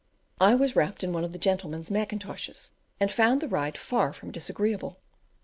I was wrapped in one of the gentlemen's macintoshes, and found the ride far from disagreeable.